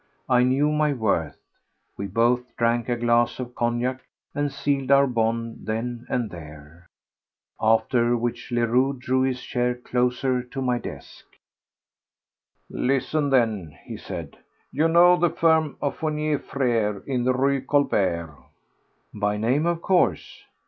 I knew my worth. We both drank a glass of cognac and sealed our bond then and there. After which Leroux drew his chair closer to my desk. "Listen, then," he said. "You know the firm of Fournier Frères, in the Rue Colbert?" "By name, of course.